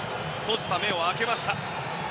閉じた目を開けました。